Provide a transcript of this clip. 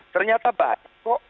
ternyata banyak kok